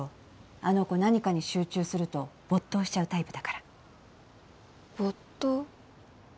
あの子何かに集中すると没頭しちゃうタイプだから没頭？